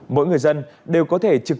các người dân đều có thể trực tiếp